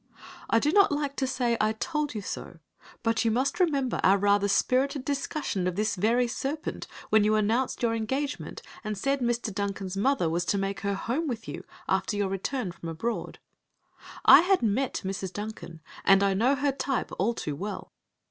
I do not like to say I told you so, but you must remember our rather spirited discussion of this very serpent, when you announced your engagement and said Mr. Duncan's mother was to make her home with you after your return from abroad. I had met Mrs. Duncan, and I knew her type all too well.